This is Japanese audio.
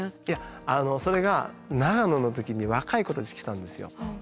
いやそれが長野の時に若い子たち来たんですよ。